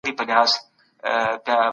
په هره ټولنه کي بېلابېل آندونه شتون لري.